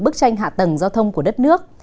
bức tranh hạ tầng giao thông của đất nước